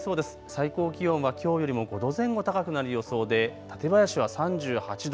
最高気温はきょうよりも５度前後高くなる予想で館林は３８度。